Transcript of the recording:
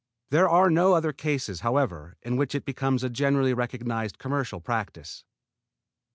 There are no other cases, however, in which it becomes a generally recognized commercial practise.